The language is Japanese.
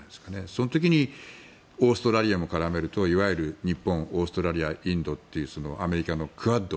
その時にオーストラリアも絡めるといわゆる日本、オーストラリア、インドアメリカのクアッド